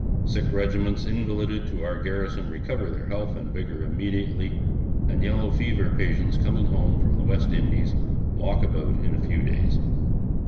Sick regiments invalided to our garrison recover their health and vigour immediately, and yellow fever patients coming home from the West Indies walk about in a few days.'